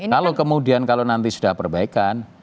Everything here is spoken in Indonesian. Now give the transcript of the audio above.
kalau kemudian kalau nanti sudah perbaikan